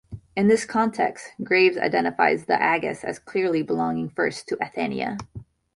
In this context, Graves identifies the aegis as clearly belonging first to Athena.